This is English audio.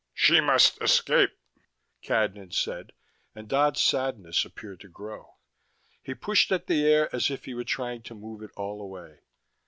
"She must escape," Cadnan said, and Dodd's sadness appeared to grow. He pushed at the air as if he were trying to move it all away.